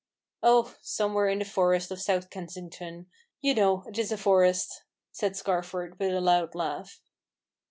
" Oh, somewhere in the forest of South Kensington — you know it is a forest," says Scarford, with a loud laugh.